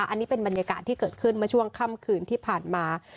อันนี้เป็นบรรยากาศที่เกิดขึ้นเมื่อช่วงค่ำคืนที่ผ่านมา